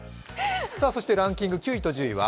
そしてランキング９位と１０位は？